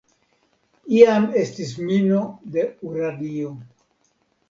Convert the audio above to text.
Iam estis mino de uranio.